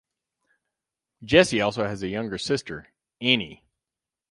Jesse also has a younger sister, Annie.